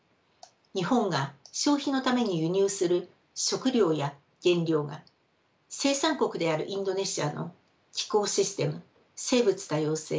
日本が消費のために輸入する食料や原料が生産国であるインドネシアの気候システム生物多様性